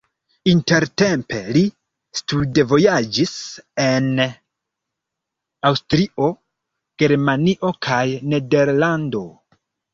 Intertempe li studvojaĝis en Aŭstrio, Germanio kaj Nederlando.